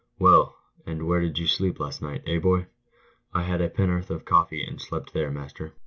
" "Well, and where did you sleep last night — eh, boy ?"" I had a pen'orth of coffee and slept there, master."